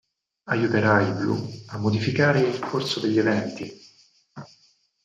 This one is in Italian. Aiuterà il Blu a modificare il corso degli eventi.